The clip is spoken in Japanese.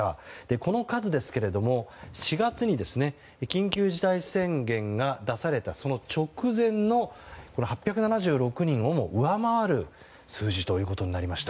この数ですけれども４月に、緊急事態宣言が出された直前の８７６人を上回る数字となりました。